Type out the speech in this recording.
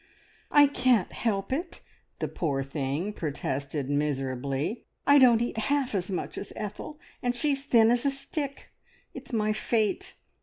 "I can't help it," the poor thing protested miserably. "I don't eat half as much as Ethel, and she's as thin as a stick. It's my fate!